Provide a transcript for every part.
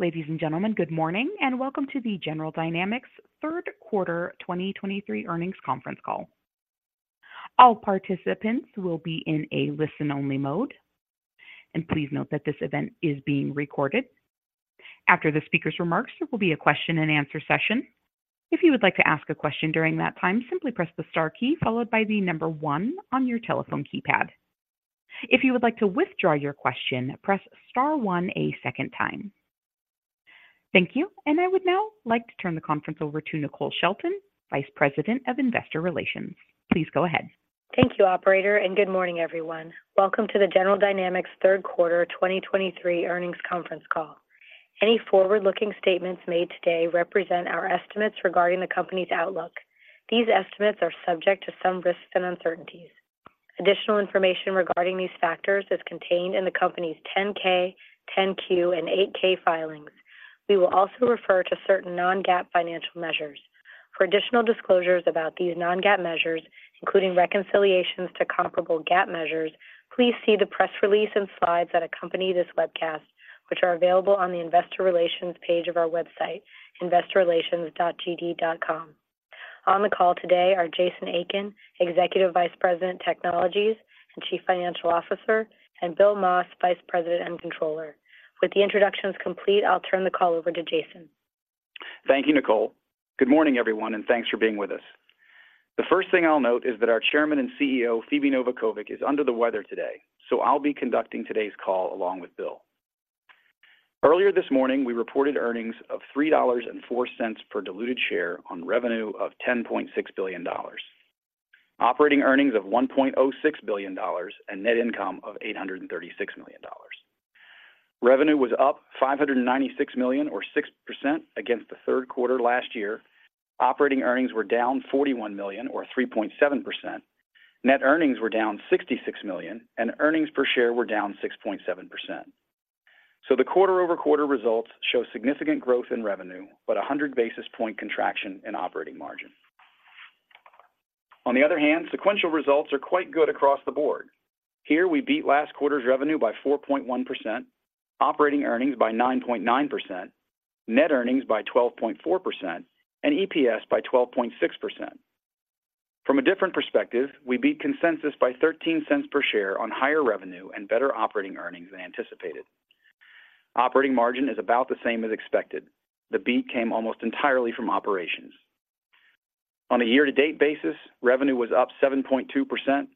Ladies and gentlemen, good morning, and welcome to the General Dynamics third quarter 2023 earnings conference call. All participants will be in a listen-only mode, and please note that this event is being recorded. After the speaker's remarks, there will be a question-and-answer session. If you would like to ask a question during that time, simply press the star key followed by the number one on your telephone keypad. If you would like to withdraw your question, press star one a second time. Thank you, and I would now like to turn the conference over to Nicole Shelton, Vice President of Investor Relations. Please go ahead. Thank you, operator, and good morning, everyone. Welcome to the General Dynamics third quarter 2023 earnings conference call. Any forward-looking statements made today represent our estimates regarding the company's outlook. These estimates are subject to some risks and uncertainties. Additional information regarding these factors is contained in the company's 10-K, 10-Q, and 8-K filings. We will also refer to certain non-GAAP financial measures. For additional disclosures about these non-GAAP measures, including reconciliations to comparable GAAP measures, please see the press release and slides that accompany this webcast, which are available on the investor relations page of our website, investorrelations.gd.com. On the call today are Jason Aiken, Executive Vice President, Technologies and Chief Financial Officer, and Bill Moss, Vice President and Controller. With the introductions complete, I'll turn the call over to Jason. Thank you, Nicole. Good morning, everyone, and thanks for being with us. The first thing I'll note is that our chairman and CEO, Phebe Novakovic, is under the weather today, so I'll be conducting today's call along with Bill. Earlier this morning, we reported earnings of $3.04 per diluted share on revenue of $10.6 billion, operating earnings of $1.06 billion, and net income of $836 million. Revenue was up $596 million or 6% against the third quarter last year. Operating earnings were down $41 million or 3.7%. Net earnings were down $66 million, and earnings per share were down 6.7%. So the quarter-over-quarter results show significant growth in revenue, but a 100 basis point contraction in operating margin. On the other hand, sequential results are quite good across the board. Here we beat last quarter's revenue by 4.1%, operating earnings by 9.9%, net earnings by 12.4%, and EPS by 12.6%. From a different perspective, we beat consensus by $0.13 per share on higher revenue and better operating earnings than anticipated. Operating margin is about the same as expected. The beat came almost entirely from operations. On a year-to-date basis, revenue was up 7.2%,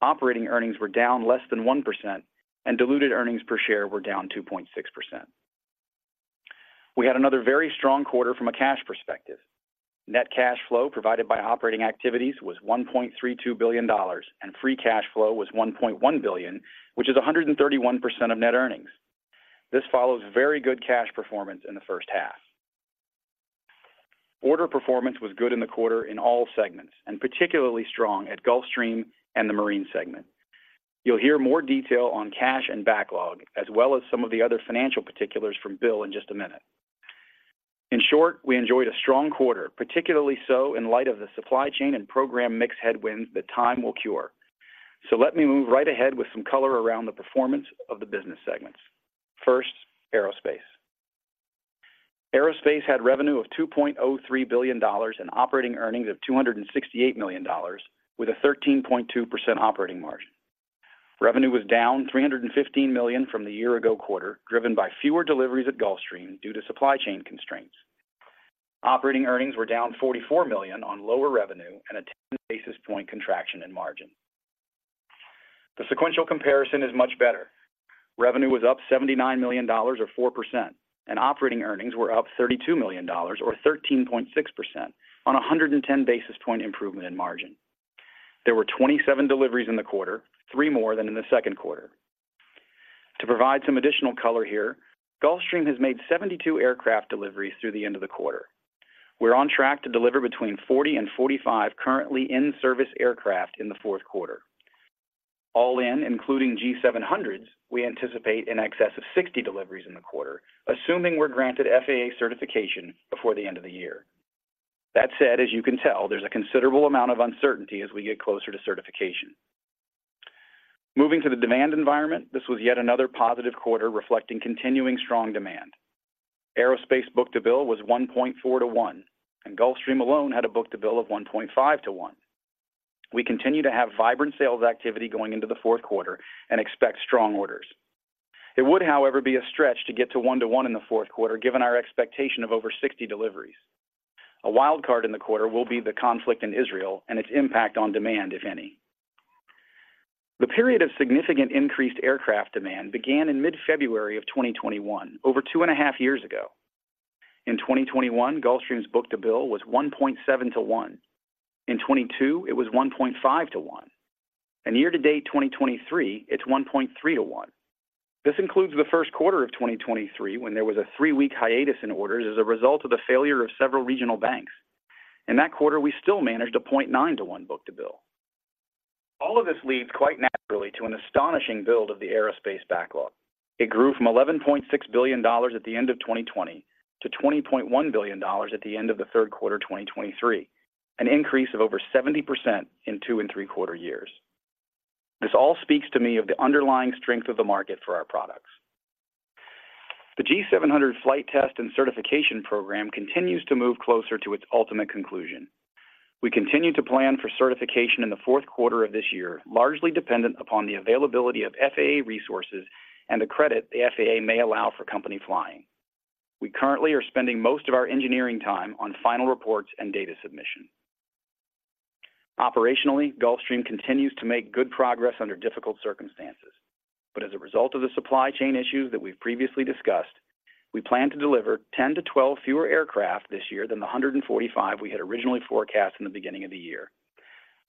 operating earnings were down less than 1%, and diluted earnings per share were down 2.6%. We had another very strong quarter from a cash perspective. Net cash flow provided by operating activities was $1.32 billion, and free cash flow was $1.1 billion, which is 131% of net earnings. This follows very good cash performance in the first half. Order performance was good in the quarter in all segments, and particularly strong at Gulfstream and the Marine segment. You'll hear more detail on cash and backlog, as well as some of the other financial particulars from Bill in just a minute. In short, we enjoyed a strong quarter, particularly so in light of the supply chain and program mix headwinds that time will cure. So let me move right ahead with some color around the performance of the business segments. First, Aerospace. Aerospace had revenue of $2.03 billion and operating earnings of $268 million, with a 13.2% operating margin. Revenue was down $315 million from the year-ago quarter, driven by fewer deliveries at Gulfstream due to supply chain constraints. Operating earnings were down $44 million on lower revenue and a 10 basis point contraction in margin. The sequential comparison is much better. Revenue was up $79 million, or 4%, and operating earnings were up $32 million, or 13.6% on a 110 basis point improvement in margin. There were 27 deliveries in the quarter, 3 more than in the second quarter. To provide some additional color here, Gulfstream has made 72 aircraft deliveries through the end of the quarter. We're on track to deliver between 40 and 45 currently in-service aircraft in the fourth quarter. All in, including G700s, we anticipate in excess of 60 deliveries in the quarter, assuming we're granted FAA certification before the end of the year. That said, as you can tell, there's a considerable amount of uncertainty as we get closer to certification. Moving to the demand environment, this was yet another positive quarter reflecting continuing strong demand. Aerospace book-to-bill was 1.4 to 1, and Gulfstream alone had a book-to-bill of 1.5 to 1. We continue to have vibrant sales activity going into the fourth quarter and expect strong orders. It would, however, be a stretch to get to 1 to 1 in the fourth quarter, given our expectation of over 60 deliveries. A wild card in the quarter will be the conflict in Israel and its impact on demand, if any. The period of significant increased aircraft demand began in mid-February of 2021, over two and a half years ago. In 2021, Gulfstream's book-to-bill was 1.7-to-1. In 2022, it was 1.5-to-1. And year-to-date 2023, it's 1.3-to-1. This includes the first quarter of 2023, when there was a 3-week hiatus in orders as a result of the failure of several regional banks. In that quarter, we still managed a 0.9-to-1 book-to-bill. All of this leads quite naturally to an astonishing build of the aerospace backlog. It grew from $11.6 billion at the end of 2020 to $20.1 billion at the end of the third quarter of 2023, an increase of over 70% in two and three-quarter years. This all speaks to me of the underlying strength of the market for our products. The G700 flight test and certification program continues to move closer to its ultimate conclusion. We continue to plan for certification in the fourth quarter of this year, largely dependent upon the availability of FAA resources and the credit the FAA may allow for company flying. We currently are spending most of our engineering time on final reports and data submission. Operationally, Gulfstream continues to make good progress under difficult circumstances. But as a result of the supply chain issues that we've previously discussed, we plan to deliver 10-12 fewer aircraft this year than the 145 we had originally forecast in the beginning of the year.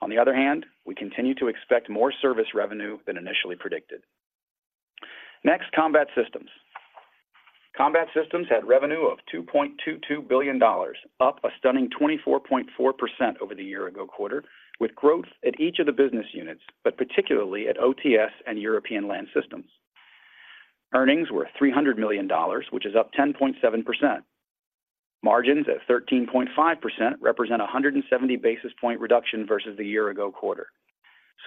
On the other hand, we continue to expect more service revenue than initially predicted. Next, Combat Systems. Combat Systems had revenue of $2.22 billion, up a stunning 24.4% over the year ago quarter, with growth at each of the business units, but particularly at OTS and European Land Systems. Earnings were $300 million, which is up 10.7%. Margins at 13.5% represent a 170 basis point reduction versus the year ago quarter.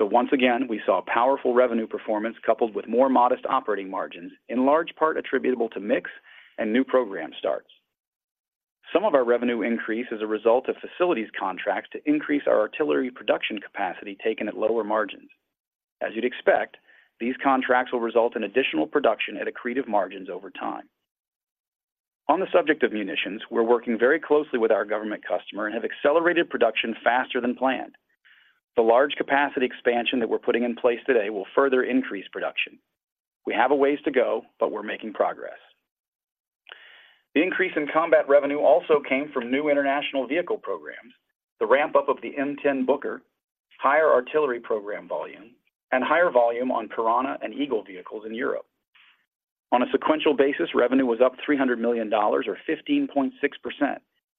Once again, we saw powerful revenue performance coupled with more modest operating margins, in large part attributable to mix and new program starts. Some of our revenue increase is a result of facilities contracts to increase our artillery production capacity taken at lower margins. As you'd expect, these contracts will result in additional production at accretive margins over time. On the subject of munitions, we're working very closely with our government customer and have accelerated production faster than planned. The large capacity expansion that we're putting in place today will further increase production. We have a ways to go, but we're making progress. The increase in combat revenue also came from new international vehicle programs, the ramp-up of the M10 Booker, higher artillery program volume, and higher volume on Piranha and Eagle vehicles in Europe. On a sequential basis, revenue was up $300 million or 15.6%,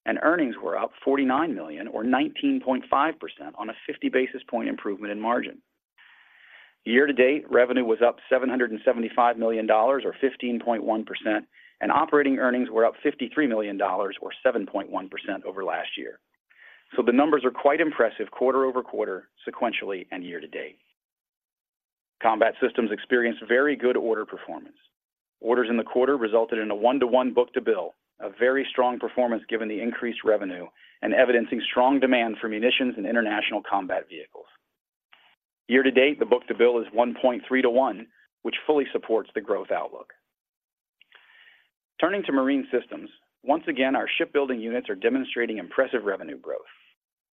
and earnings were up $49 million or 19.5% on a 50 basis point improvement in margin. Year-to-date, revenue was up $775 million or 15.1%, and operating earnings were up $53 million or 7.1% over last year. So the numbers are quite impressive quarter-over-quarter, sequentially, and year-to-date. Combat Systems experienced very good order performance. Orders in the quarter resulted in a 1-to-1 book-to-bill, a very strong performance given the increased revenue and evidencing strong demand for munitions and international combat vehicles. Year-to-date, the book-to-bill is 1.3-to-1, which fully supports the growth outlook. Turning to Marine Systems, once again, our shipbuilding units are demonstrating impressive revenue growth.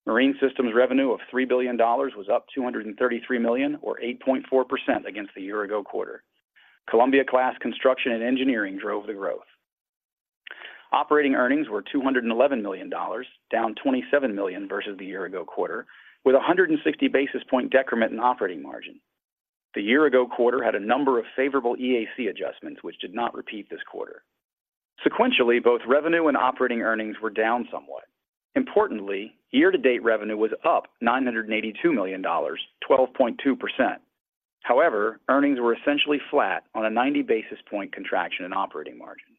Marine Systems revenue of $3 billion was up $233 million or 8.4% against the year ago quarter. Columbia class construction and engineering drove the growth. Operating earnings were $211 million, down $27 million versus the year ago quarter, with a 160 basis point decrement in operating margin. The year ago quarter had a number of favorable EAC adjustments, which did not repeat this quarter. Sequentially, both revenue and operating earnings were down somewhat. Importantly, year-to-date revenue was up $982 million, 12.2%. However, earnings were essentially flat on a 90 basis point contraction in operating margin.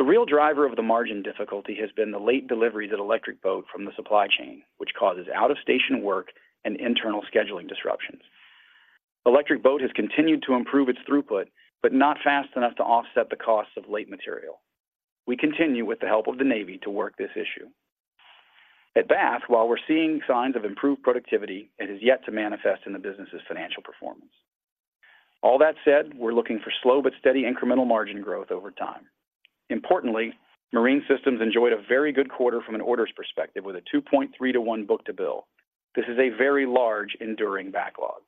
The real driver of the margin difficulty has been the late deliveries at Electric Boat from the supply chain, which causes out-of-station work and internal scheduling disruptions. Electric Boat has continued to improve its throughput, but not fast enough to offset the costs of late material. We continue, with the help of the Navy, to work this issue. At Bath, while we're seeing signs of improved productivity, it has yet to manifest in the business's financial performance. All that said, we're looking for slow but steady incremental margin growth over time. Importantly, Marine Systems enjoyed a very good quarter from an orders perspective, with a 2.3-to-1 book-to-bill. This is a very large enduring backlog.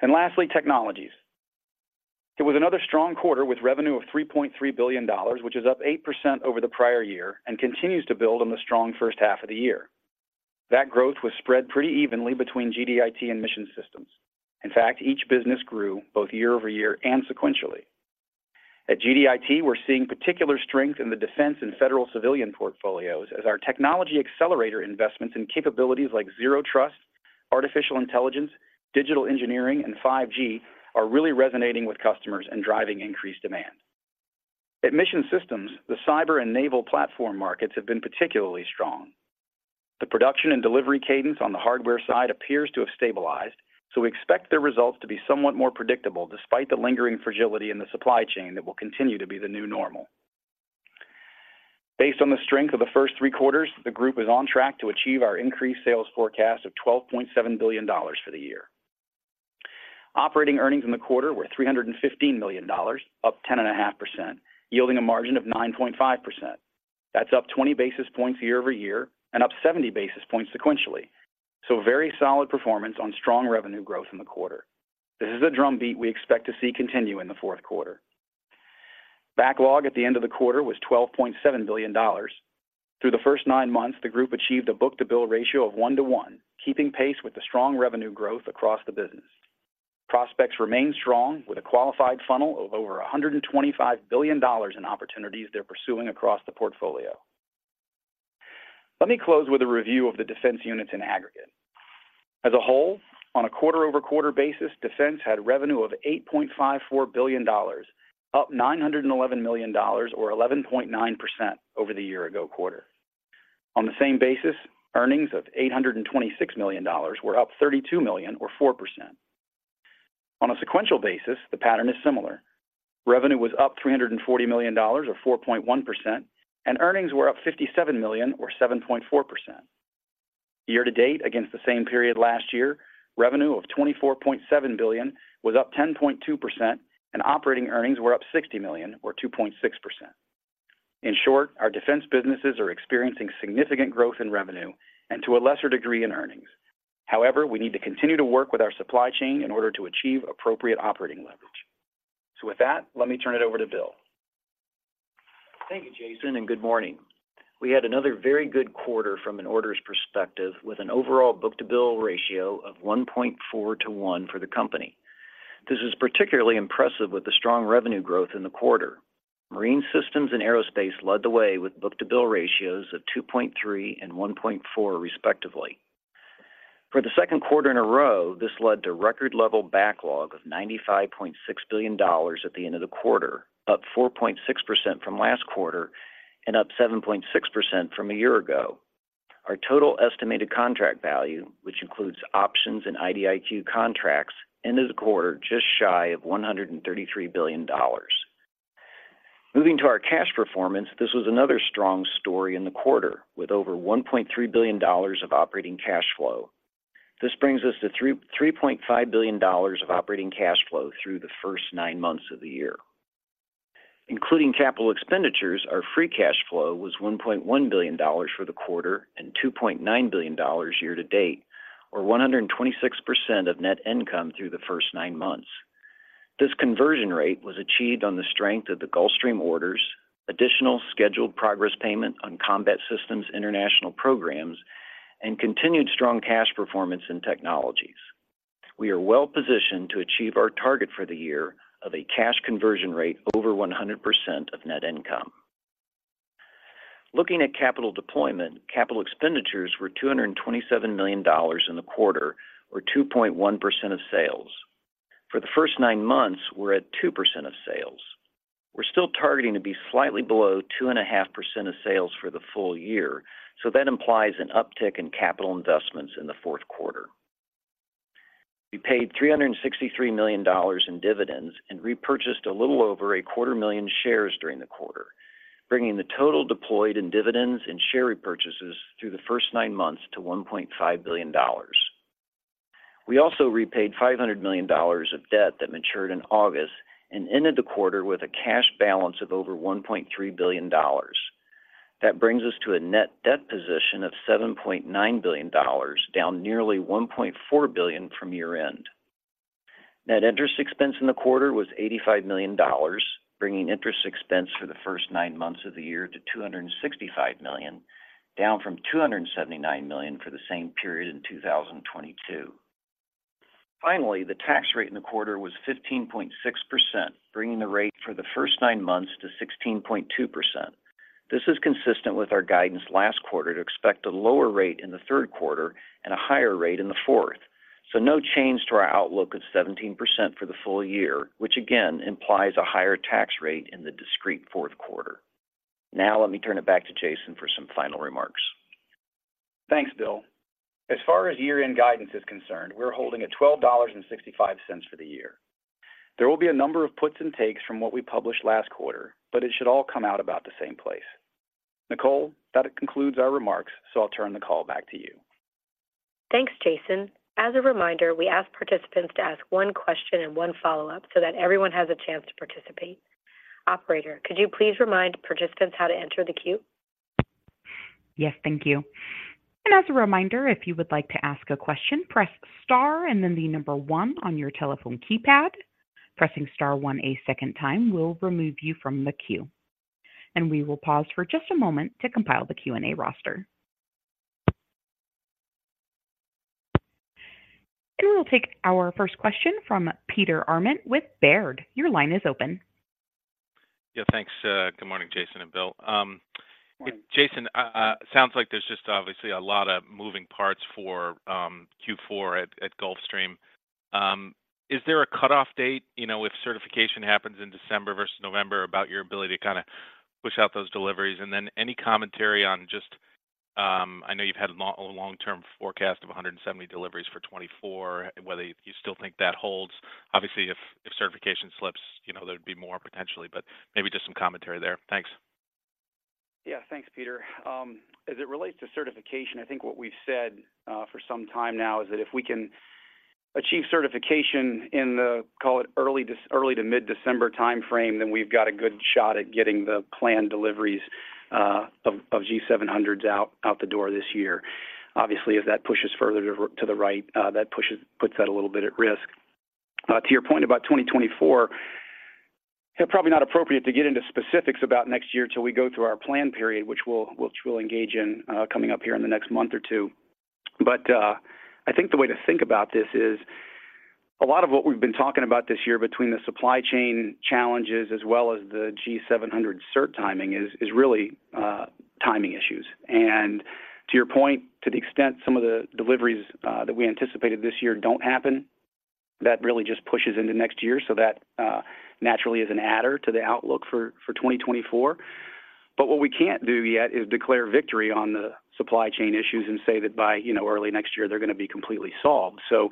And lastly, Technologies. It was another strong quarter with revenue of $3.3 billion, which is up 8% over the prior year and continues to build on the strong first half of the year. That growth was spread pretty evenly between GDIT and Mission Systems. In fact, each business grew both year-over-year and sequentially. At GDIT, we're seeing particular strength in the defense and federal civilian portfolios as our technology accelerator investments in capabilities like zero trust, artificial intelligence, digital engineering, and 5G are really resonating with customers and driving increased demand. At Mission Systems, the cyber and naval platform markets have been particularly strong. The production and delivery cadence on the hardware side appears to have stabilized, so we expect their results to be somewhat more predictable despite the lingering fragility in the supply chain that will continue to be the new normal. Based on the strength of the first three quarters, the group is on track to achieve our increased sales forecast of $12.7 billion for the year. Operating earnings in the quarter were $315 million, up 10.5%, yielding a margin of 9.5%. That's up 20 basis points year-over-year and up 70 basis points sequentially. So very solid performance on strong revenue growth in the quarter. This is a drumbeat we expect to see continue in the fourth quarter. Backlog at the end of the quarter was $12.7 billion. Through the first nine months, the group achieved a book-to-bill ratio of 1:1, keeping pace with the strong revenue growth across the business. Prospects remain strong, with a qualified funnel of over $125 billion in opportunities they're pursuing across the portfolio. Let me close with a review of the defense units in aggregate. As a whole, on a quarter-over-quarter basis, Defense had revenue of $8.54 billion, up $911 million or 11.9% over the year-ago quarter. On the same basis, earnings of $826 million were up $32 million, or 4%. On a sequential basis, the pattern is similar. Revenue was up $340 million, or 4.1%, and earnings were up $57 million, or 7.4%. Year-to-date, against the same period last year, revenue of $24.7 billion was up 10.2%, and operating earnings were up $60 million, or 2.6%. In short, our defense businesses are experiencing significant growth in revenue and, to a lesser degree, in earnings. However, we need to continue to work with our supply chain in order to achieve appropriate operating leverage. With that, let me turn it over to Bill. Thank you, Jason, and good morning. We had another very good quarter from an orders perspective, with an overall book-to-bill ratio of 1.4 to 1 for the company. This is particularly impressive with the strong revenue growth in the quarter. Marine Systems and Aerospace led the way with book-to-bill ratios of 2.3 and 1.4, respectively. For the second quarter in a row, this led to record level backlog of $95.6 billion at the end of the quarter, up 4.6% from last quarter and up 7.6% from a year ago. Our total estimated contract value, which includes options and IDIQ contracts, ended the quarter just shy of $133 billion. Moving to our cash performance, this was another strong story in the quarter, with over $1.3 billion of operating cash flow. This brings us to $3.35 billion of operating cash flow through the first nine months of the year. Including capital expenditures, our free cash flow was $1.1 billion for the quarter and $2.9 billion year to date, or 126% of net income through the first nine months. This conversion rate was achieved on the strength of the Gulfstream orders, additional scheduled progress payment on combat systems international programs, and continued strong cash performance in technologies. We are well positioned to achieve our target for the year of a cash conversion rate over 100% of net income. Looking at capital deployment, capital expenditures were $227 million in the quarter, or 2.1% of sales. For the first nine months, we're at 2% of sales. We're still targeting to be slightly below 2.5% of sales for the full year, so that implies an uptick in capital investments in the fourth quarter. We paid $363 million in dividends and repurchased a little over 250,000 shares during the quarter, bringing the total deployed in dividends and share repurchases through the first nine months to $1.5 billion. We also repaid $500 million of debt that matured in August and ended the quarter with a cash balance of over $1.3 billion. That brings us to a net debt position of $7.9 billion, down nearly $1.4 billion from year-end. Net interest expense in the quarter was $85 million, bringing interest expense for the first nine months of the year to $265 million, down from $279 million for the same period in 2022. Finally, the tax rate in the quarter was 15.6%, bringing the rate for the first nine months to 16.2%. This is consistent with our guidance last quarter to expect a lower rate in the third quarter and a higher rate in the fourth. No change to our outlook of 17% for the full year, which again implies a higher tax rate in the discrete fourth quarter. Now, let me turn it back to Jason for some final remarks. Thanks, Bill. As far as year-end guidance is concerned, we're holding at $12.65 for the year. There will be a number of puts and takes from what we published last quarter, but it should all come out about the same place. Nicole, that concludes our remarks, so I'll turn the call back to you. Thanks, Jason. As a reminder, we ask participants to ask one question and one follow-up so that everyone has a chance to participate. Operator, could you please remind participants how to enter the queue? Yes, thank you. As a reminder, if you would like to ask a question, press star and then the number one on your telephone keypad. Pressing star one a second time will remove you from the queue. We will pause for just a moment to compile the Q&A roster. We will take our first question from Peter Arment with Baird. Your line is open. Yeah, thanks. Good morning, Jason and Bill. Jason, sounds like there's just obviously a lot of moving parts for Q4 at Gulfstream. Is there a cutoff date, you know, if certification happens in December versus November, about your ability to kind of push out those deliveries? And then any commentary on just, I know you've had a long-term forecast of 170 deliveries for 2024, whether you still think that holds. Obviously, if certification slips, you know, there'd be more potentially, but maybe just some commentary there. Thanks. Yeah. Thanks, Peter. As it relates to certification, I think what we've said for some time now is that if we can achieve certification in the, call it early to mid-December timeframe, then we've got a good shot at getting the planned deliveries of G700s out the door this year. Obviously, if that pushes further to the right, that puts that a little bit at risk. To your point about 2024, probably not appropriate to get into specifics about next year till we go through our plan period, which we'll engage in coming up here in the next month or two. But, I think the way to think about this is a lot of what we've been talking about this year, between the supply chain challenges as well as the G700 cert timing is really timing issues. And to your point, to the extent some of the deliveries that we anticipated this year don't happen, that really just pushes into next year, so that naturally is an adder to the outlook for 2024. But what we can't do yet is declare victory on the supply chain issues and say that by, you know, early next year, they're gonna be completely solved. So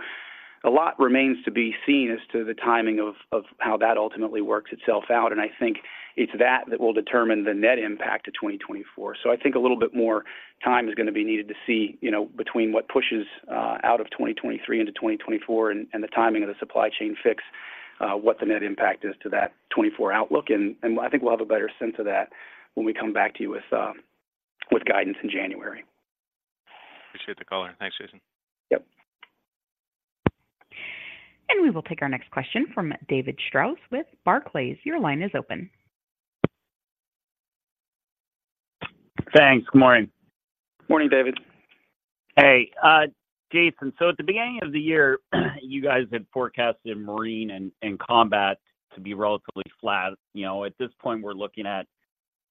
a lot remains to be seen as to the timing of how that ultimately works itself out, and I think it's that that will determine the net impact to 2024. So I think a little bit more time is gonna be needed to see, you know, between what pushes out of 2023 into 2024, and the timing of the supply chain fix, what the net impact is to that '2024 outlook. And I think we'll have a better sense of that when we come back to you with guidance in January. Appreciate the color. Thanks, Jason. Yep. We will take our next question from David Strauss with Barclays. Your line is open. Thanks. Good morning. Morning, David. Hey, Jason. So at the beginning of the year, you guys had forecasted marine and combat to be relatively flat. You know, at this point, we're looking at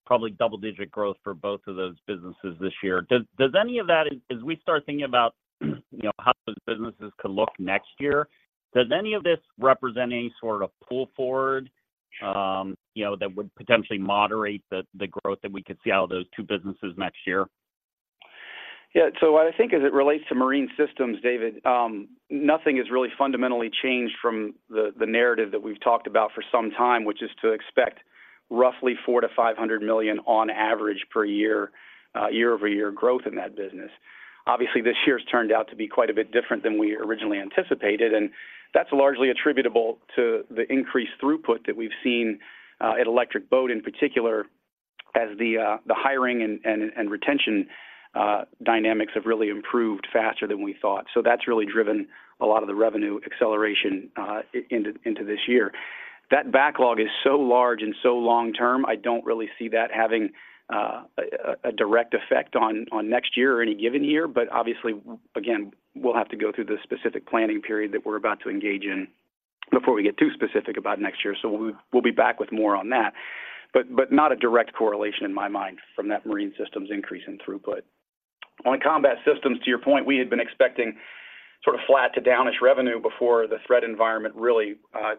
probably double-digit growth for both of those businesses this year. Does any of that, as we start thinking about, you know, how those businesses could look next year, does any of this represent any sort of pull forward, you know, that would potentially moderate the growth that we could see out of those two businesses next year? Yeah. So what I think as it relates to marine systems, David, nothing has really fundamentally changed from the narrative that we've talked about for some time, which is to expect roughly $400 million-$500 million on average per year, year-over-year growth in that business. Obviously, this year's turned out to be quite a bit different than we originally anticipated, and that's largely attributable to the increased throughput that we've seen at Electric Boat, in particular, as the hiring and retention dynamics have really improved faster than we thought. So that's really driven a lot of the revenue acceleration into this year. That backlog is so large and so long term, I don't really see that having a direct effect on next year or any given year. But obviously, again, we'll have to go through the specific planning period that we're about to engage in before we get too specific about next year, so we'll be back with more on that. But not a direct correlation in my mind from that marine systems increase in throughput. On combat systems, to your point, we had been expecting sort of flat to downish revenue before the threat environment really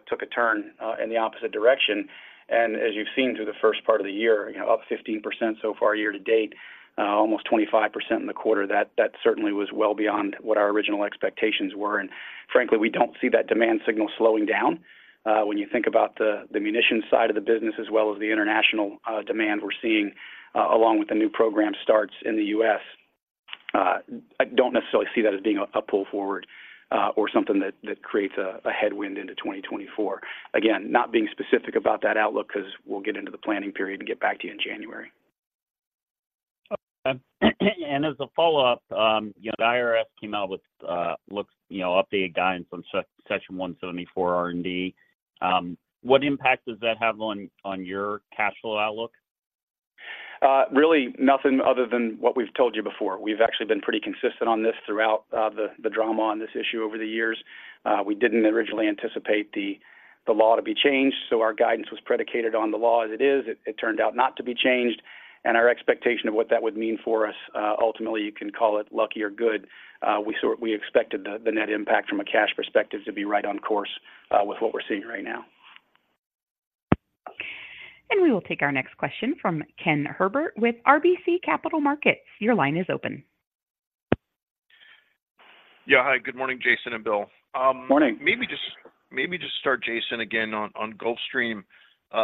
took a turn in the opposite direction. And as you've seen through the first part of the year, you know, up 15% so far year to date, almost 25% in the quarter, that certainly was well beyond what our original expectations were. And frankly, we don't see that demand signal slowing down. When you think about the munition side of the business as well as the international demand we're seeing, along with the new program starts in the U.S., I don't necessarily see that as being a pull forward, or something that creates a headwind into 2024. Again, not being specific about that outlook, 'cause we'll get into the planning period and get back to you in January. Okay. And as a follow-up, you know, the IRS came out with, you know, updated guidance on Section 174 R&D. What impact does that have on your cash flow outlook? Really nothing other than what we've told you before. We've actually been pretty consistent on this throughout, the drama on this issue over the years. We didn't originally anticipate the law to be changed, so our guidance was predicated on the law as it is. It turned out not to be changed, and our expectation of what that would mean for us, ultimately, you can call it lucky or good. We expected the net impact from a cash perspective to be right on course, with what we're seeing right now. We will take our next question from Ken Herbert with RBC Capital Markets. Your line is open. Yeah, hi. Good morning, Jason and Bill. Morning. Maybe just start, Jason, again, on Gulfstream.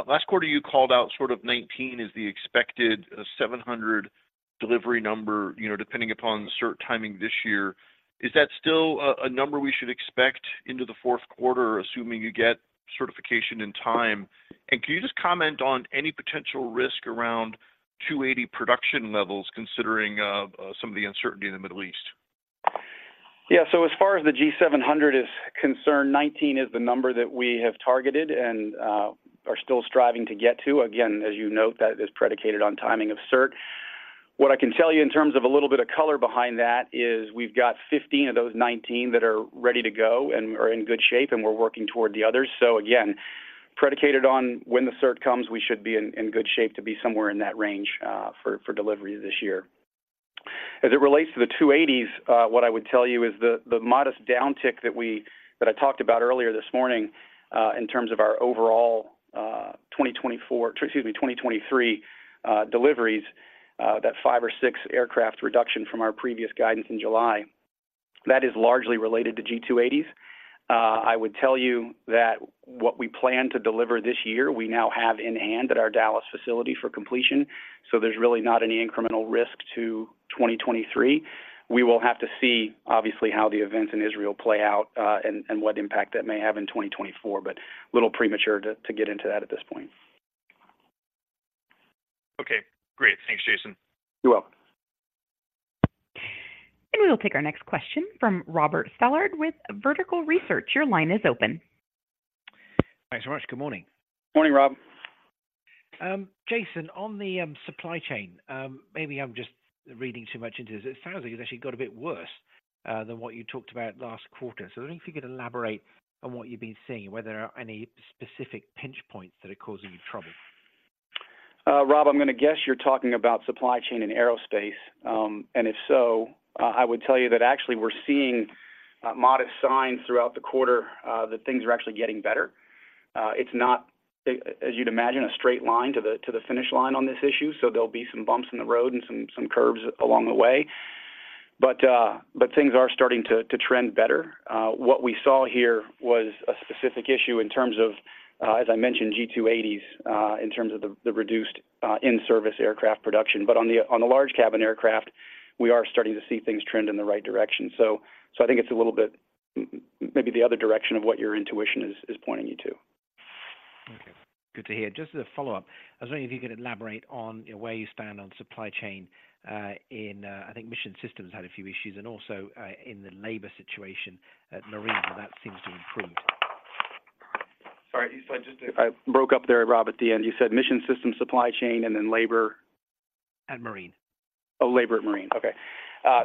Last quarter, you called out sort of 19 as the expected 700 delivery number, you know, depending upon the cert timing this year. Is that still a number we should expect into the fourth quarter, assuming you get certification in time? And can you just comment on any potential risk around 280 production levels, considering some of the uncertainty in the Middle East? Yeah. So as far as the G700 is concerned, 19 is the number that we have targeted and are still striving to get to. Again, as you note, that is predicated on timing of cert. What I can tell you in terms of a little bit of color behind that is we've got 15 of those 19 that are ready to go and are in good shape, and we're working toward the others. So again, predicated on when the cert comes, we should be in good shape to be somewhere in that range for delivery this year. As it relates to the G280s, what I would tell you is the modest downtick that I talked about earlier this morning, in terms of our overall 2024, excuse me, 2023, deliveries, that 5 or 6 aircraft reduction from our previous guidance in July, that is largely related to G280s. I would tell you that what we plan to deliver this year, we now have in hand at our Dallas facility for completion, so there's really not any incremental risk to 2023. We will have to see, obviously, how the events in Israel play out, and what impact that may have in 2024, but a little premature to get into that at this point. Okay, great. Thanks, Jason. You're welcome. We will take our next question from Robert Stallard with Vertical Research. Your line is open. Thanks so much. Good morning. Morning, Rob. Jason, on the supply chain, maybe I'm just reading too much into this. It sounds like it's actually got a bit worse than what you talked about last quarter. So I was wondering if you could elaborate on what you've been seeing, whether there are any specific pinch points that are causing you trouble? ... Rob, I'm gonna guess you're talking about supply chain and aerospace. And if so, I would tell you that actually we're seeing modest signs throughout the quarter that things are actually getting better. It's not, as you'd imagine, a straight line to the finish line on this issue, so there'll be some bumps in the road and some curves along the way. But things are starting to trend better. What we saw here was a specific issue in terms of, as I mentioned, G280s, in terms of the reduced in-service aircraft production. But on the large cabin aircraft, we are starting to see things trend in the right direction. So, I think it's a little bit, maybe the other direction of what your intuition is pointing you to. Okay, good to hear. Just as a follow-up, I was wondering if you could elaborate on where you stand on supply chain, in, I think Mission Systems had a few issues, and also, in the labor situation at Marine, how that seems to improve? Sorry, you said just-- I broke up there, Rob, at the end. You said Mission Systems supply chain and then labor? At Marine. Oh, labor at Marine. Okay.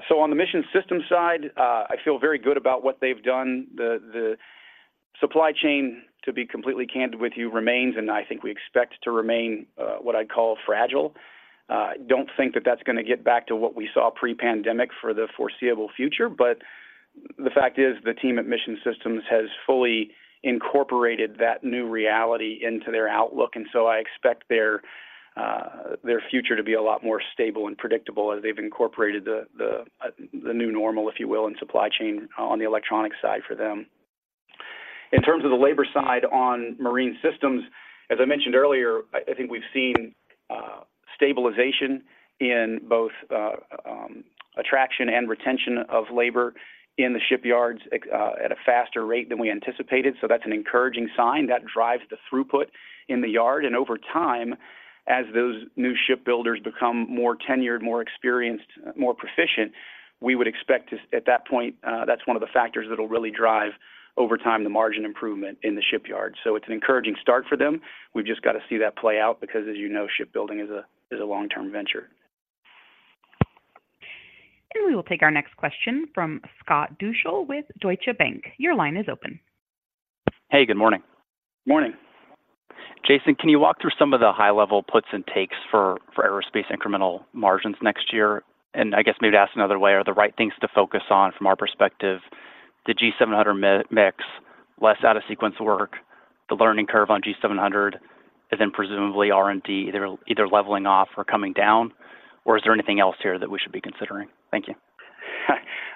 So on the Mission Systems side, I feel very good about what they've done. The, the supply chain, to be completely candid with you, remains, and I think we expect to remain, what I'd call fragile. Don't think that that's gonna get back to what we saw pre-pandemic for the foreseeable future, but the fact is, the team at Mission Systems has fully incorporated that new reality into their outlook, and so I expect their, their future to be a lot more stable and predictable as they've incorporated the, the, the new normal, if you will, in supply chain on the electronic side for them. In terms of the labor side on Marine Systems, as I mentioned earlier, I think we've seen stabilization in both attraction and retention of labor in the shipyards at a faster rate than we anticipated. So that's an encouraging sign. That drives the throughput in the yard, and over time, as those new shipbuilders become more tenured, more experienced, more proficient, we would expect to, at that point, that's one of the factors that will really drive, over time, the margin improvement in the shipyard. So it's an encouraging start for them. We've just got to see that play out because, as you know, shipbuilding is a long-term venture. We will take our next question from Scott Deuschle with Deutsche Bank. Your line is open. Hey, good morning. Morning. Jason, can you walk through some of the high-level puts and takes for aerospace incremental margins next year? And I guess maybe to ask another way, are the right things to focus on from our perspective, the G700 mix, less out-of-sequence work, the learning curve on G700, and then presumably R&D, either leveling off or coming down, or is there anything else here that we should be considering? Thank you.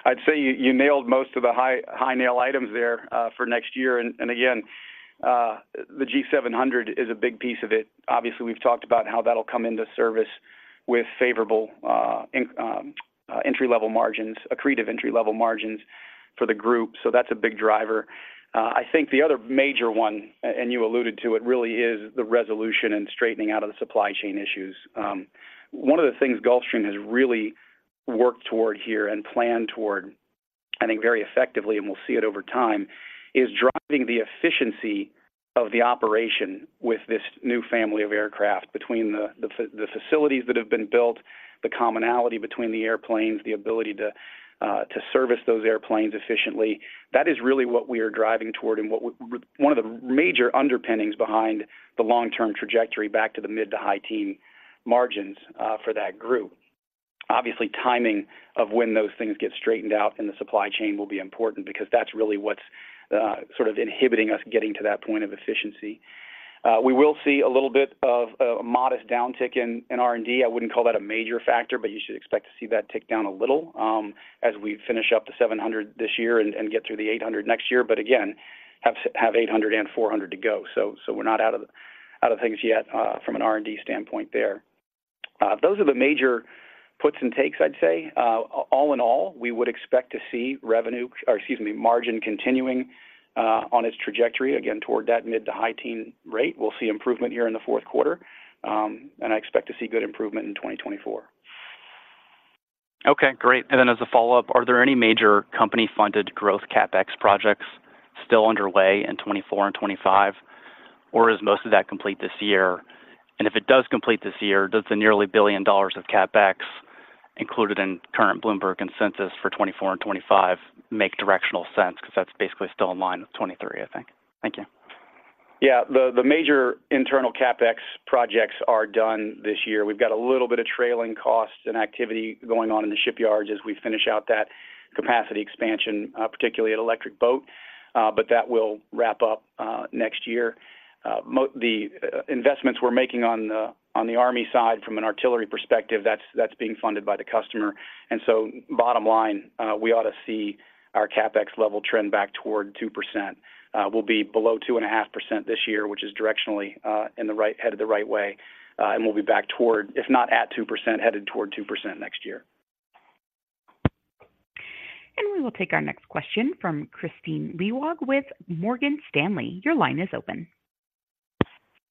I'd say you nailed most of the high-level items there for next year. Again, the G700 is a big piece of it. Obviously, we've talked about how that'll come into service with favorable entry-level margins, accretive entry-level margins for the group, so that's a big driver. I think the other major one, and you alluded to it, really is the resolution and straightening out of the supply chain issues. One of the things Gulfstream has really worked toward here and planned toward, I think, very effectively, and we'll see it over time, is driving the efficiency of the operation with this new family of aircraft between the facilities that have been built, the commonality between the airplanes, the ability to service those airplanes efficiently. That is really what we are driving toward and what one of the major underpinnings behind the long-term trajectory back to the mid to high-teen margins for that group. Obviously, timing of when those things get straightened out in the supply chain will be important because that's really what's sort of inhibiting us getting to that point of efficiency. We will see a little bit of a modest downtick in R&D. I wouldn't call that a major factor, but you should expect to see that tick down a little, as we finish up the 700 this year and get through the 800 next year. But again, have 800 and 400 to go, so we're not out of things yet, from an R&D standpoint there. Those are the major puts and takes, I'd say. All in all, we would expect to see revenue, or excuse me, margin continuing on its trajectory, again, toward that mid- to high-teens rate. We'll see improvement here in the fourth quarter, and I expect to see good improvement in 2024. Okay, great. Then as a follow-up, are there any major company-funded growth CapEx projects still underway in 2024 and 2025, or is most of that complete this year? And if it does complete this year, does the nearly $1 billion of CapEx included in current Bloomberg consensus for 2024 and 2025 make directional sense? Because that's basically still in line with 2023, I think. Thank you. Yeah, the major internal CapEx projects are done this year. We've got a little bit of trailing costs and activity going on in the shipyards as we finish out that capacity expansion, particularly at Electric Boat, but that will wrap up next year. The investments we're making on the Army side from an artillery perspective, that's being funded by the customer. And so bottom line, we ought to see our CapEx level trend back toward 2%. We'll be below 2.5% this year, which is directionally headed the right way, and we'll be back toward, if not at 2%, headed toward 2% next year. We will take our next question from Kristine Liwag with Morgan Stanley. Your line is open.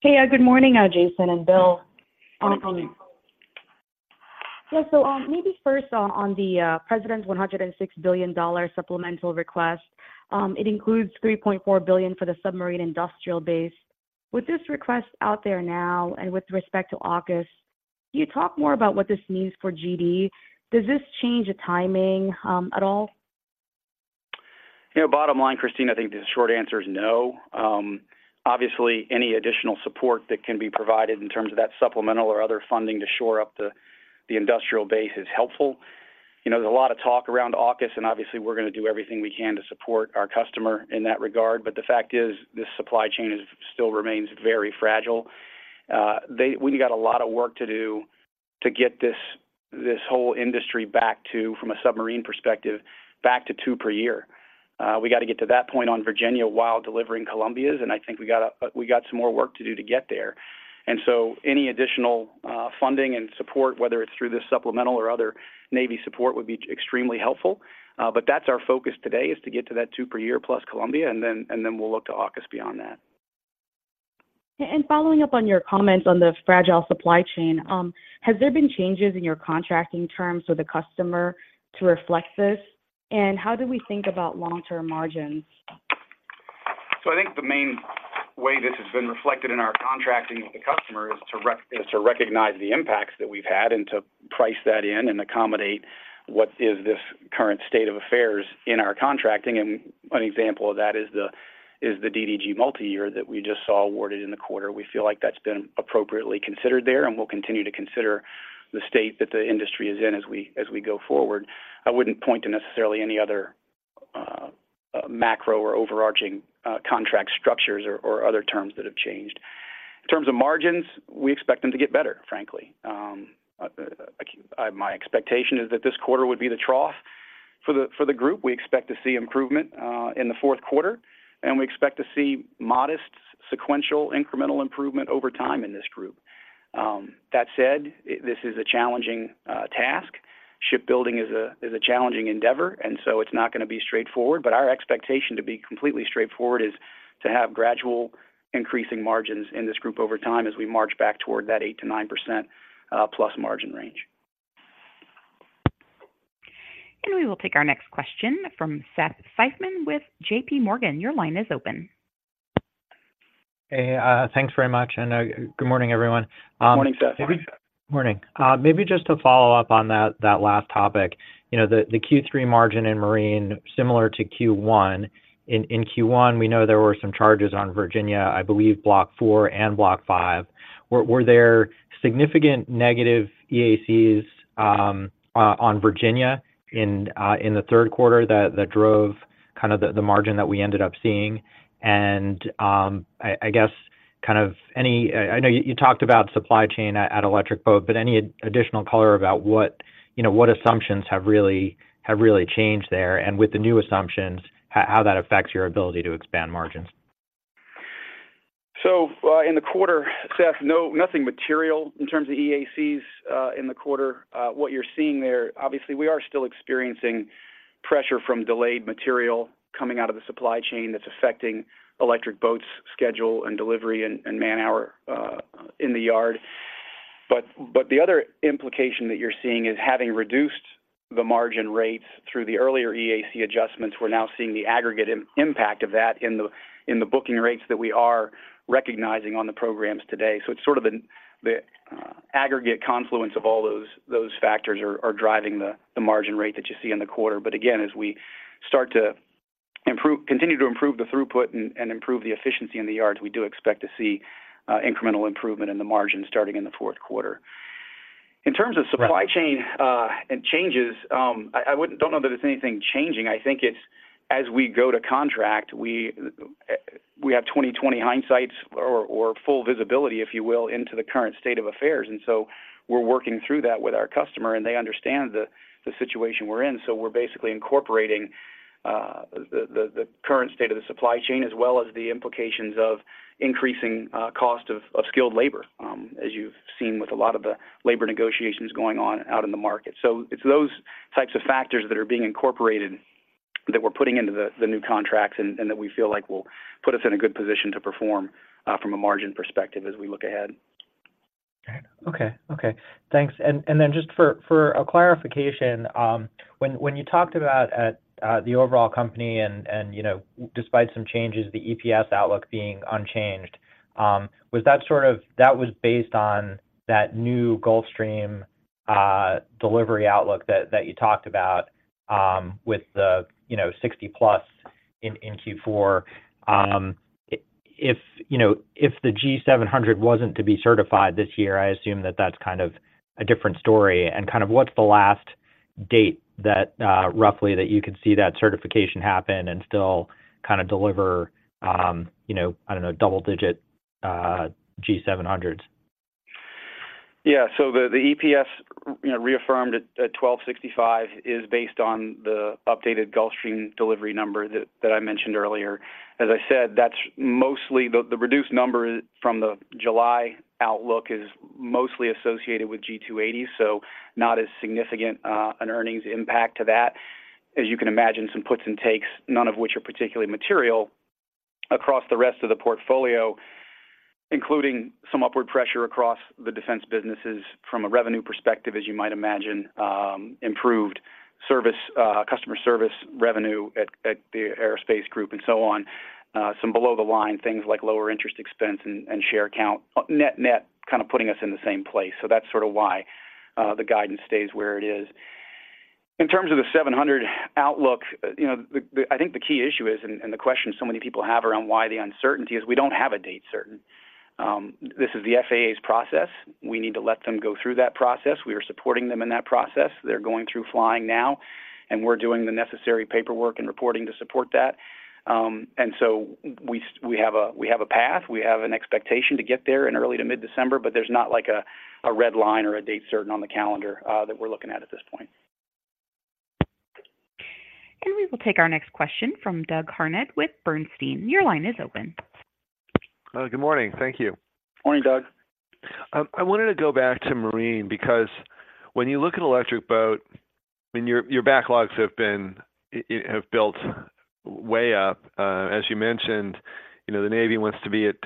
Hey, good morning, Jason and Bill. Welcome in. Yeah, so, maybe first, on the President's $106 billion supplemental request, it includes $3.4 billion for the submarine industrial base. With this request out there now, and with respect to AUKUS, can you talk more about what this means for GD? Does this change the timing, at all?... You know, bottom line, Christine, I think the short answer is no. Obviously, any additional support that can be provided in terms of that supplemental or other funding to shore up the, the industrial base is helpful. You know, there's a lot of talk around AUKUS, and obviously, we're going to do everything we can to support our customer in that regard. But the fact is, this supply chain is, still remains very fragile. We got a lot of work to do to get this, this whole industry back to, from a submarine perspective, back to 2 per year. We got to get to that point on Virginia while delivering Columbia's, and I think we got a, we got some more work to do to get there. So any additional funding and support, whether it's through this supplemental or other Navy support, would be extremely helpful. But that's our focus today, is to get to that 2 per year plus Columbia, and then we'll look to AUKUS beyond that. Following up on your comments on the fragile supply chain, has there been changes in your contracting terms with the customer to reflect this? And how do we think about long-term margins? So I think the main way this has been reflected in our contracting with the customer is to recognize the impacts that we've had and to price that in and accommodate what is this current state of affairs in our contracting. And an example of that is the DDG multiyear that we just saw awarded in the quarter. We feel like that's been appropriately considered there, and we'll continue to consider the state that the industry is in as we go forward. I wouldn't point to necessarily any other macro or overarching contract structures or other terms that have changed. In terms of margins, we expect them to get better, frankly. My expectation is that this quarter would be the trough for the group. We expect to see improvement in the fourth quarter, and we expect to see modest sequential incremental improvement over time in this group. That said, this is a challenging task. Shipbuilding is a challenging endeavor, and so it's not going to be straightforward, but our expectation to be completely straightforward is to have gradual increasing margins in this group over time as we march back toward that 8%-9% plus margin range. We will take our next question from Seth Seifman with JP Morgan. Your line is open. Hey, thanks very much, and, good morning, everyone. Good morning, Seth. Morning. Maybe just to follow up on that last topic. You know, the Q3 margin in Marine, similar to Q1. In Q1, we know there were some charges on Virginia, I believe Block 4 and Block 5. Were there significant negative EACs on Virginia in the third quarter that drove kind of the margin that we ended up seeing? And, I guess, kind of any-- I know you talked about supply chain at Electric Boat, but any additional color about what, you know, what assumptions have really changed there, and with the new assumptions, how that affects your ability to expand margins? So, in the quarter, Seth, no, nothing material in terms of EACs in the quarter. What you're seeing there, obviously, we are still experiencing pressure from delayed material coming out of the supply chain that's affecting Electric Boat's schedule and delivery and man-hour in the yard. But the other implication that you're seeing is having reduced the margin rates through the earlier EAC adjustments, we're now seeing the aggregate impact of that in the booking rates that we are recognizing on the programs today. So it's sort of an aggregate confluence of all those factors are driving the margin rate that you see in the quarter. But again, as we start to improve, continue to improve the throughput and improve the efficiency in the yards, we do expect to see incremental improvement in the margin starting in the fourth quarter. In terms of supply chain and changes, I don't know that there's anything changing. I think it's as we go to contract, we have 20/20 hindsights or full visibility, if you will, into the current state of affairs. And so we're working through that with our customer, and they understand the current state of the supply chain, as well as the implications of increasing cost of skilled labor, as you've seen with a lot of the labor negotiations going on out in the market. So it's those types of factors that are being incorporated, that we're putting into the new contracts, and that we feel like will put us in a good position to perform from a margin perspective as we look ahead. Okay. Okay. Thanks. And then just for a clarification, when you talked about the overall company and, you know, despite some changes, the EPS outlook being unchanged, was that sort of—that was based on that new Gulfstream delivery outlook that you talked about with the, you know, 60+ in Q4. If, you know, if the G700 wasn't to be certified this year, I assume that's kind of a different story. And kind of what's the last date that, roughly, you could see that certification happen and still kind of deliver, you know, I don't know, double-digit G700s? Yeah. So the EPS, you know, reaffirmed at $12.65 is based on the updated Gulfstream delivery number that I mentioned earlier. As I said, that's mostly the reduced number from the July outlook is mostly associated with G280, so not as significant an earnings impact to that. As you can imagine, some puts and takes, none of which are particularly material across the rest of the portfolio, including some upward pressure across the defense businesses from a revenue perspective, as you might imagine, improved service, customer service revenue at the aerospace group and so on. Some below the line, things like lower interest expense and share count, net-net, kind of putting us in the same place. So that's sort of why the guidance stays where it is. In terms of the G700 outlook, you know, I think the key issue is, and the question so many people have around why the uncertainty is we don't have a date certain. This is the FAA's process. We need to let them go through that process. We are supporting them in that process. They're going through flying now, and we're doing the necessary paperwork and reporting to support that. And so we have a path, we have an expectation to get there in early to mid-December, but there's not like a red line or a date certain on the calendar, that we're looking at at this point. We will take our next question from Douglas Harned with Bernstein. Your line is open. Good morning. Thank you. Morning, Doug. I wanted to go back to Marine, because when you look at Electric Boat, and your backlogs have built way up, as you mentioned, you know, the Navy wants to be at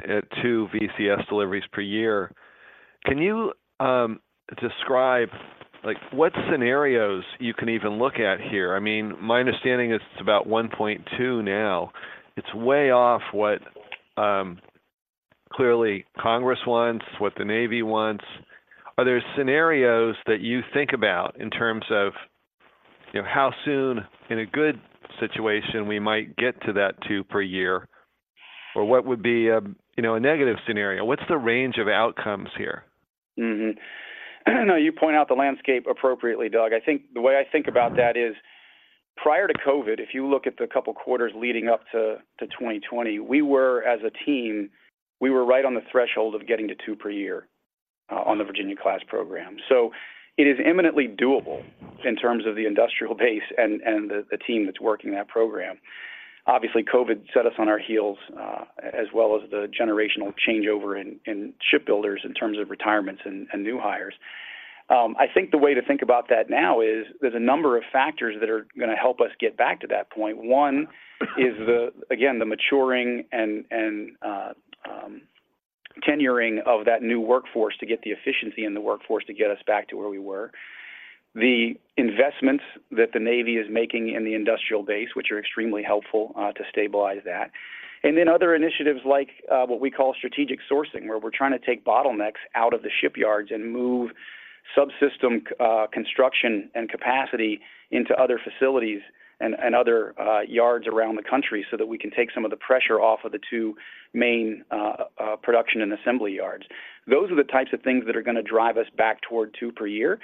two VCS deliveries per year. Can you describe, like, what scenarios you can even look at here? I mean, my understanding is it's about 1.2 now. It's way off what clearly Congress wants, what the Navy wants. Are there scenarios that you think about in terms of, you know, how soon in a good situation we might get to that two per year? Or what would be a, you know, a negative scenario? What's the range of outcomes here? Mm-hmm. No, you point out the landscape appropriately, Doug. I think the way I think about that is, prior to COVID, if you look at the couple of quarters leading up to 2020, we were, as a team, we were right on the threshold of getting to 2 per year on the Virginia-class program. So it is imminently doable in terms of the industrial base and the team that's working that program. Obviously, COVID set us on our heels, as well as the generational changeover in shipbuilders in terms of retirements and new hires. I think the way to think about that now is there's a number of factors that are gonna help us get back to that point. One is the, again, the maturing and tenuring of that new workforce to get the efficiency in the workforce to get us back to where we were. The investments that the Navy is making in the industrial base, which are extremely helpful, to stabilize that. And then other initiatives like what we call strategic sourcing, where we're trying to take bottlenecks out of the shipyards and move subsystem construction and capacity into other facilities and other yards around the country so that we can take some of the pressure off of the two main production and assembly yards. Those are the types of things that are gonna drive us back toward two per year.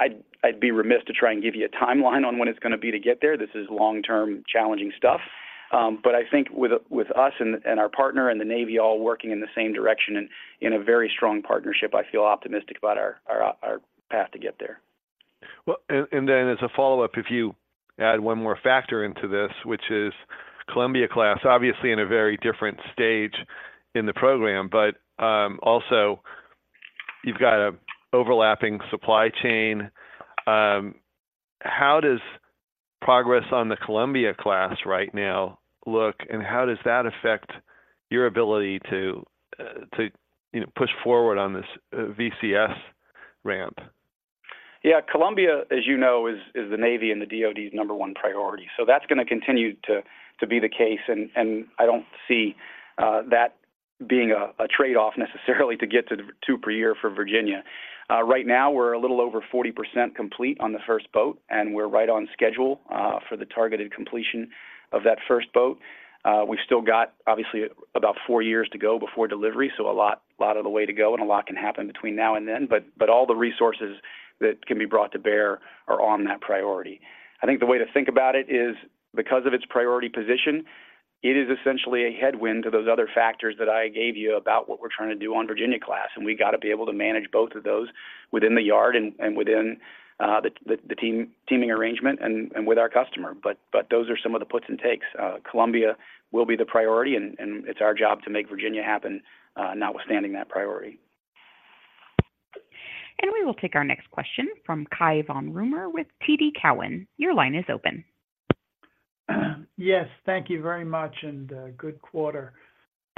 I'd be remiss to try and give you a timeline on when it's gonna be to get there. This is long-term, challenging stuff, but I think with us and our partner and the Navy all working in the same direction and in a very strong partnership, I feel optimistic about our path to get there. Well, and then as a follow-up, if you add one more factor into this, which is Columbia class, obviously in a very different stage in the program, but also you've got an overlapping supply chain. How does progress on the Columbia class right now look, and how does that affect your ability to you know, push forward on this VCS ramp? Yeah, Columbia, as you know, is, is the Navy and the DoD's number one priority. So that's gonna continue to, to be the case, and, and I don't see that being a, a trade-off necessarily to get to the two per year for Virginia. Right now, we're a little over 40% complete on the first boat, and we're right on schedule for the targeted completion of that first boat. We've still got, obviously, about four years to go before delivery, so a lot, a lot of the way to go, and a lot can happen between now and then, but, but all the resources that can be brought to bear are on that priority. I think the way to think about it is because of its priority position, it is essentially a headwind to those other factors that I gave you about what we're trying to do on Virginia class, and we got to be able to manage both of those within the yard and within the teaming arrangement and with our customer. But those are some of the puts and takes. Columbia will be the priority, and it's our job to make Virginia happen, notwithstanding that priority. We will take our next question from Kaivon Rumer with TD Cowen. Your line is open. Yes, thank you very much, and good quarter.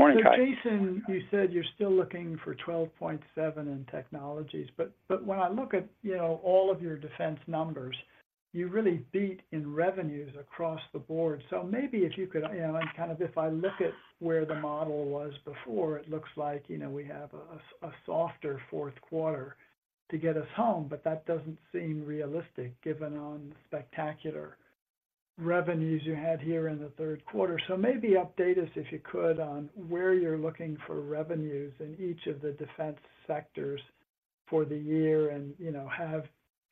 Morning, Cai. So, Jason, you said you're still looking for 12.7 in technologies, but when I look at, you know, all of your defense numbers, you really beat in revenues across the board. So maybe if you could, and kind of if I look at where the model was before, it looks like, you know, we have a softer fourth quarter to get us home, but that doesn't seem realistic, given the spectacular revenues you had here in the third quarter. So maybe update us, if you could, on where you're looking for revenues in each of the defense sectors for the year, and, you know,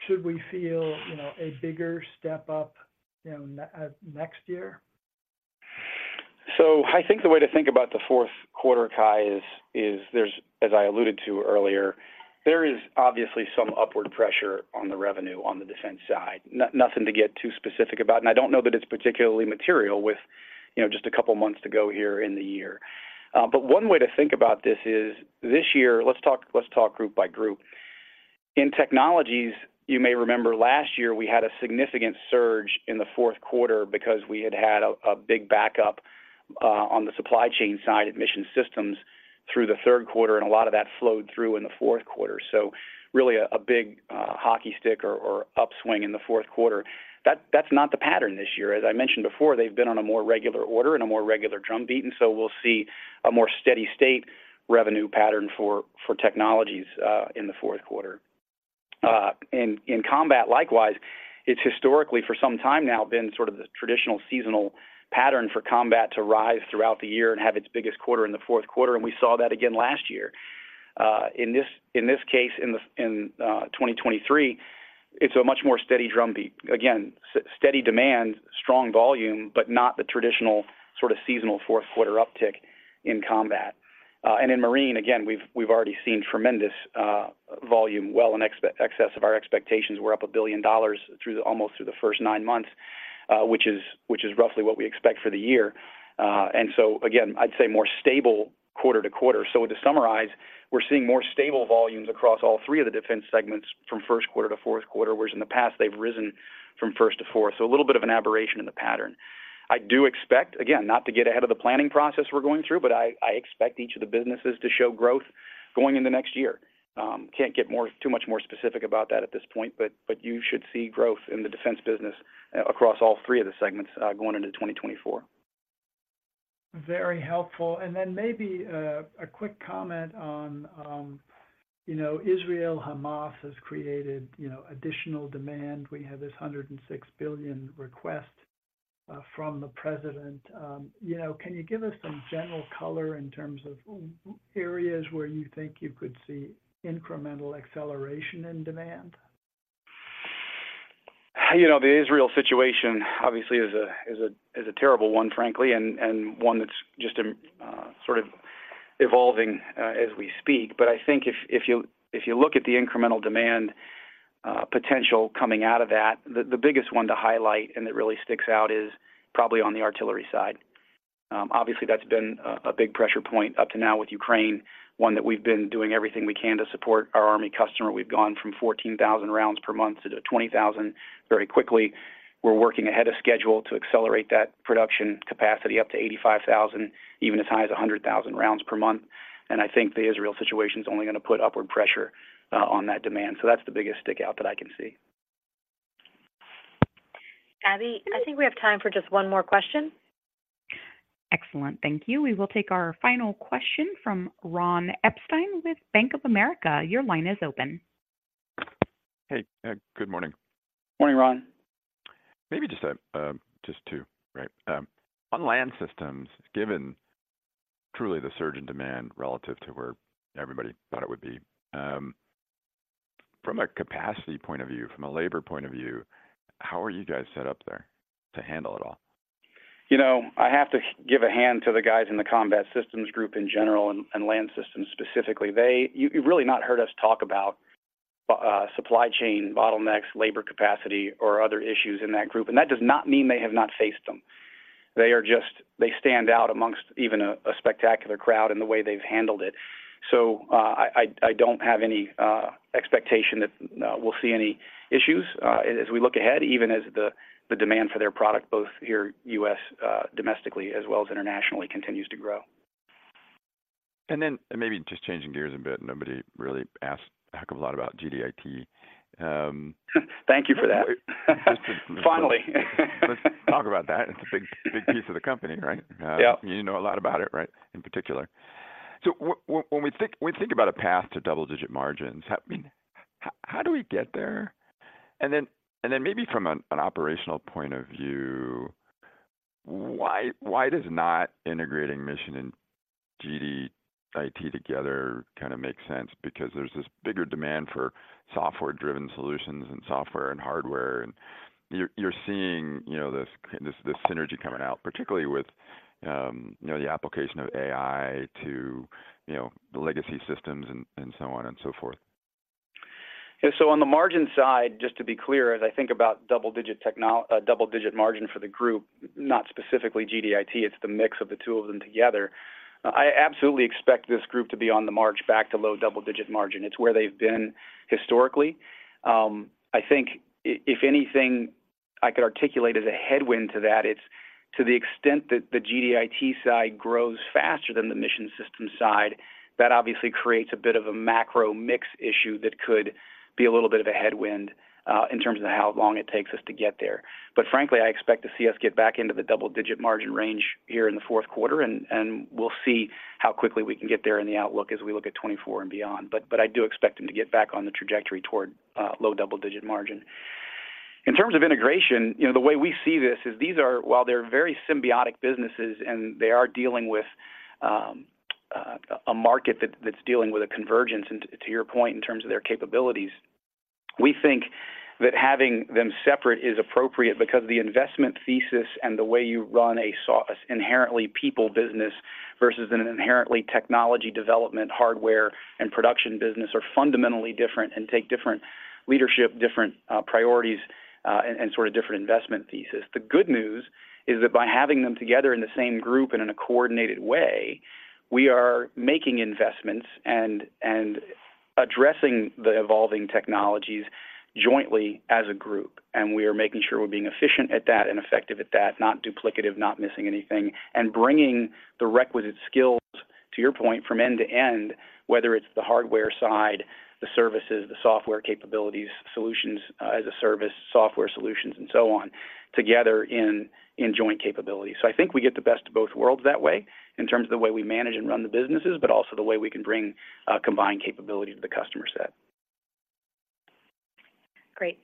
should we feel, you know, a bigger step up, you know, next year? So I think the way to think about the fourth quarter, Cai, is there's, as I alluded to earlier, there is obviously some upward pressure on the revenue on the defense side. Nothing to get too specific about, and I don't know that it's particularly material with, you know, just a couple of months to go here in the year. But one way to think about this is, this year, let's talk group by group. In technologies, you may remember last year, we had a significant surge in the fourth quarter because we had had a big backup on the supply chain side mission systems through the third quarter, and a lot of that flowed through in the fourth quarter. So really a big hockey stick or upswing in the fourth quarter. That's not the pattern this year. As I mentioned before, they've been on a more regular order and a more regular drumbeat, and so we'll see a more steady state revenue pattern for Technologies in the fourth quarter, and in Combat, likewise, it's historically for some time now been sort of the traditional seasonal pattern for Combat to rise throughout the year and have its biggest quarter in the fourth quarter, and we saw that again last year. In this case, in 2023, it's a much more steady drumbeat. Again, steady demand, strong volume, but not the traditional sort of seasonal fourth quarter uptick in Combat. And in Marine, again, we've already seen tremendous volume well in excess of our expectations. We're up $1 billion through almost the first nine months, which is, which is roughly what we expect for the year. And so again, I'd say more stable quarter to quarter. So to summarize, we're seeing more stable volumes across all three of the defense segments from first quarter to fourth quarter, whereas in the past they've risen from first to fourth. So a little bit of an aberration in the pattern. I do expect, again, not to get ahead of the planning process we're going through, but I expect each of the businesses to show growth going in the next year. Can't get too much more specific about that at this point, but you should see growth in the defense business across all three of the segments going into 2024. Very helpful. Then maybe a quick comment on, you know, Israel-Hamas has created, you know, additional demand. We have this $106 billion request from the president. You know, can you give us some general color in terms of areas where you think you could see incremental acceleration in demand? You know, the Israel situation obviously is a terrible one, frankly, and one that's just sort of evolving as we speak. But I think if you look at the incremental demand potential coming out of that, the biggest one to highlight, and that really sticks out, is probably on the artillery side. Obviously, that's been a big pressure point up to now with Ukraine, one that we've been doing everything we can to support our army customer. We've gone from 14,000 rounds per month to 20,000 very quickly. We're working ahead of schedule to accelerate that production capacity up to 85,000, even as high as 100,000 rounds per month, and I think the Israel situation is only gonna put upward pressure on that demand. That's the biggest stand out that I can see. Abby, I think we have time for just one more question. Excellent. Thank you. We will take our final question from Ronald Epstein with Bank of America. Your line is open. Hey, good morning. Morning, Ron. Maybe just a, just two, right. On Land Systems, given truly the surge in demand relative to where everybody thought it would be, from a capacity point of view, from a labor point view, how are you guys set up there to handle it all? You know, I have to give a hand to the guys in the Combat Systems group in general and Land Systems specifically. They've really not heard us talk about supply chain bottlenecks, labor capacity, or other issues in that group, and that does not mean they have not faced them. They are just, they stand out amongst even a spectacular crowd in the way they've handled it. So, I don't have any expectation that we'll see any issues as we look ahead, even as the demand for their product, both here U.S. domestically as well as internationally, continues to grow. Maybe just changing gears a bit, nobody really asked a heck of a lot about GDIT. Thank you for that. Finally. Let's talk about that. It's a big, big piece of the company, right? Yep. You know a lot about it, right? In particular. So when we think, we think about a path to double-digit margins, I mean, how do we get there? And then, and then maybe from an, an operational point of view, why, why does not integrating mission and GDIT together kind of make sense? Because there's this bigger demand for software-driven solutions and software and hardware, and you're, you're seeing, you know, this, this, this synergy coming out, particularly with, you know, the application of AI to, you know, the legacy systems and, and so on and so forth. Yeah, so on the margin side, just to be clear, as I think about double-digit margin for the group, not specifically GDIT, it's the mix of the two of them together. I absolutely expect this group to be on the march back to low double-digit margin. It's where they've been historically. I think if anything, I could articulate as a headwind to that, it's to the extent that the GDIT side grows faster than the Mission Systems side, that obviously creates a bit of a macro mix issue that could be a little bit of a headwind, in terms of how long it takes us to get there. But frankly, I expect to see us get back into the double-digit margin range here in the fourth quarter, and we'll see how quickly we can get there in the outlook as we look at 2024 and beyond. But I do expect them to get back on the trajectory toward low double-digit margin. In terms of integration, you know, the way we see this is these are—while they're very symbiotic businesses, and they are dealing with a market that's dealing with a convergence, and to your point, in terms of their capabilities, we think that having them separate is appropriate because the investment thesis and the way you run an inherently people business versus an inherently technology development, hardware, and production business are fundamentally different and take different leadership, different priorities, and sort of different investment thesis. The good news is that by having them together in the same group and in a coordinated way, we are making investments and addressing the evolving technologies jointly as a group, and we are making sure we're being efficient at that and effective at that, not duplicative, not missing anything, and bringing the requisite skills, to your point, from end to end, whether it's the hardware side, the services, the software capabilities, solutions, as a service, software solutions, and so on, together in joint capabilities. So I think we get the best of both worlds that way in terms of the way we manage and run the businesses, but also the way we can bring combined capability to the customer set. Great.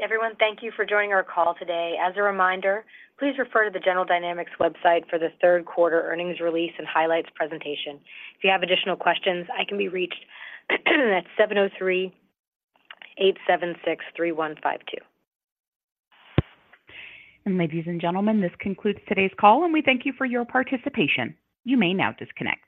Everyone, thank you for joining our call today. As a reminder, please refer to the General Dynamics website for the third quarter earnings release and highlights presentation. If you have additional questions, I can be reached at 703-876-3152. Ladies and gentlemen, this concludes today's call, and we thank you for your participation. You may now disconnect.